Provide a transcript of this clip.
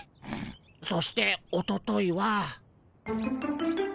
そしておとといは。